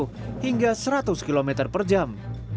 sembilan puluh hingga seratus km per jam